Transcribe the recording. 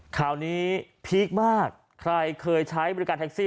ข่าวนี้พีคมากใครเคยใช้บริการแท็กซี่